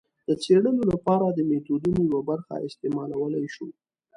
د څېړلو لپاره د میتودونو یوه برخه استعمالولای شو.